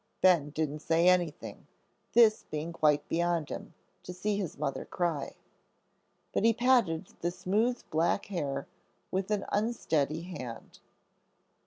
Ben didn't say anything, this being quite beyond him, to see his mother cry. But he patted the smooth black hair with an unsteady hand.